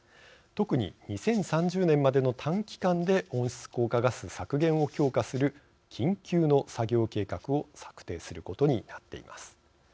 特に２０３０年までの短期間で温室効果ガス削減を強化する緊急の作業計画を策定することになっています。